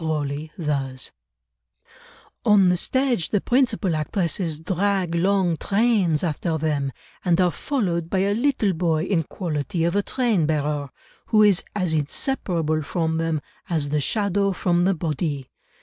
Grosley thus— "On the stage the principal actresses drag long trains after them, and are followed by a little boy in quality of a train bearer, who is as inseparable from them as the shadow from the body.